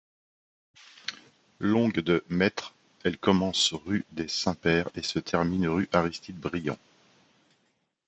Longue de mètres, elle commence rue des Saints-Pères et se termine rue Aristide-Briand.